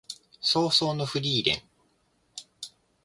葬送のフリーレン